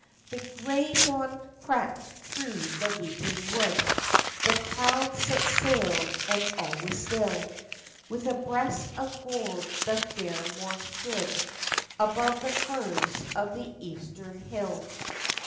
The gray dawn crept through the weeping wood, The clouds set sail and all was still ; With a breast of gold the fair morn stood Above the firs of the eastern hill.